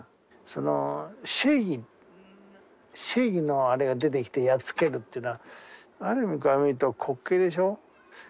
その正義正義のあれが出てきてやっつけるっていうのはある面から見ると滑稽でしょう。